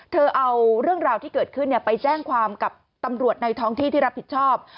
เธอเอาเรื่องราวที่เกิดขึ้นไปแจ้งความกับตำรวจในท้องที่ที่รับผิดชอบ